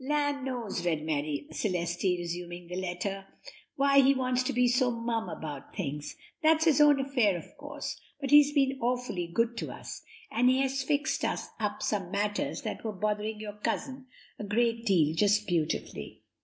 "'Land knows,' read Marie Celeste, resuming the letter, 'why he wanted to be so mum about things; that's his own affair, of course; but he's been awfully good to us, and he has fixed up some matters that were bothering your cousin a great deal just beautifully.